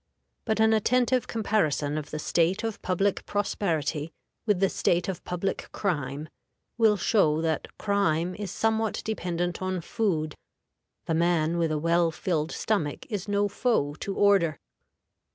But an attentive comparison of the state of public prosperity with the state of public crime will show that crime is somewhat dependent on food: the man with a well filled stomach is no foe to order.